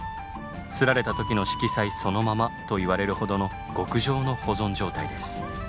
摺られた時の色彩そのままといわれるほどの極上の保存状態です。